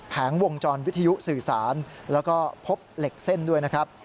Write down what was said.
วงจรวิทยุสื่อสารแล้วก็พบเหล็กเส้นด้วยนะครับ